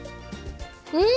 うん！